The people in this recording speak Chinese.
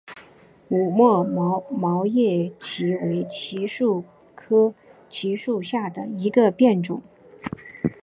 五脉毛叶槭为槭树科槭属下的一个变种。